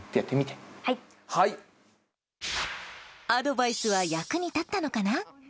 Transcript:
アドバイスは役に立ったのかな。